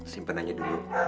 simpen aja dulu